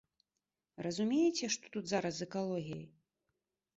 Разумееце, што тут зараз з экалогіяй?